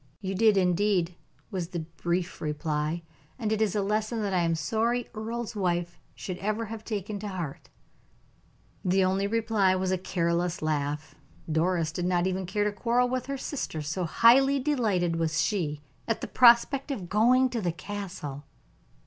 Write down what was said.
"You did, indeed," was the brief reply, "and it is a lesson that I am sorry Earle's wife should ever have taken to heart." The only reply was a careless laugh. Doris did not even care to quarrel with her sister, so highly delighted was she at the prospect of going to the Castle.